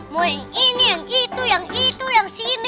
mau yang ini yang itu yang itu yang sini